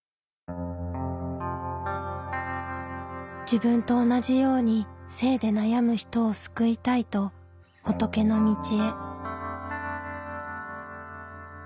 「自分と同じように性で悩む人を救いたい」と仏の道へ。